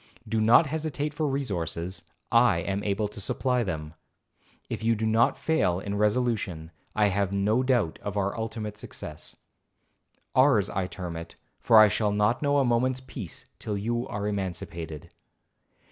Do not hesitate for resources, I am able to supply them. If you do not fail in resolution, I have no doubt of our ultimate success.—Ours I term it, for I shall not know a moment's peace till you are emancipated.